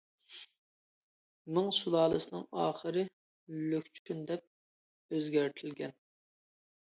مىڭ سۇلالىسىنىڭ ئاخىرى لۈكچۈن دەپ ئۆزگەرتىلگەن.